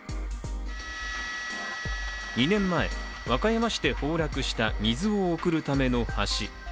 ２年前、和歌山市で崩落した水を送るための橋。